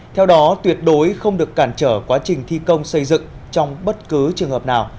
theo đó tuyệt đối không được cản trở quá trình thi công xây dựng trong bất cứ trường hợp nào